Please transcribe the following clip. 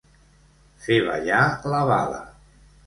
Fer ballar la bala.